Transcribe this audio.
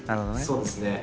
そうですね。